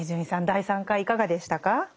第３回いかがでしたか？